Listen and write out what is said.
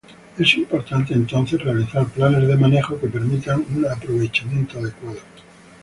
Es importante entonces realizar planes de manejo que permitan un aprovechamiento adecuado.